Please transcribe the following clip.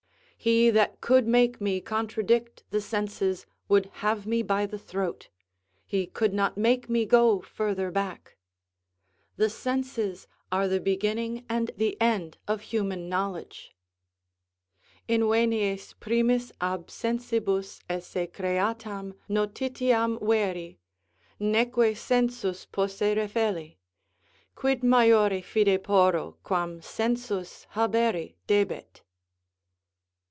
He that could make me contradict the senses, would have me by the throat; he could not make me go further back. The senses are the beginning and the end of human knowledge: Invenies primis ab sensibns esse creatam Notitiam veil; neque sensus posse refelli.... Quid majore fide porro, quam sensus, haberi Debet?